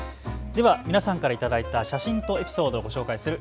では皆さんから頂いた写真とエピソードをご紹介する＃